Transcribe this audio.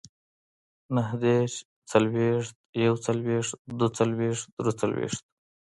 نههدېرش، څلوېښت، يوڅلوېښت، دوهڅلوېښت، دريڅلوېښت